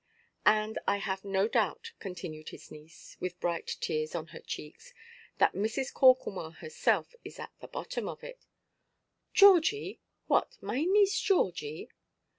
"And I have no doubt," continued his niece, with bright tears on her cheeks, "that Mrs. Corklemore herself is at the bottom of it." "Georgie! What, my niece Georgie!"